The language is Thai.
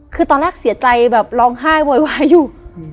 คือตอนแรกเสียใจแบบร้องไห้โวยวายอยู่